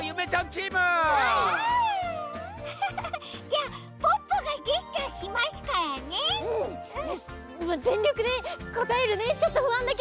じゃあポッポがジェスチャーしますからね。よ